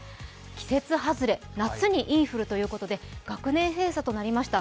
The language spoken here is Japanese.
季節外れ、夏にインフルということで学年閉鎖となりました。